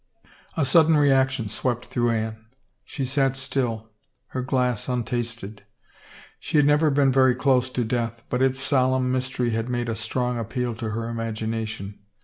A sudden reaction swept through Anne. She sat still, her glass untasted. She had never been very close to death, but its solemn mystery had made a strong appeal to her imagination.